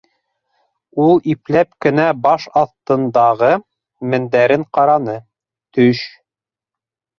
Ул ипләп кенә баш аҫтындағы мендәрен ҡараны: төш!